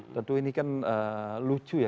tentu ini kan lucu ya